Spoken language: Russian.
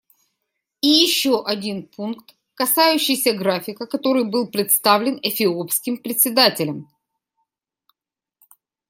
И еще один пункт, касающийся графика, который был представлен эфиопским Председателем.